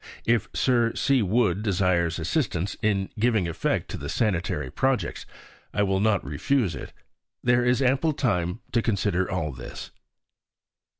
If Sir C. Wood desires assistance in giving effect to the sanitary projects, I will not refuse it. There is ample time to consider all this.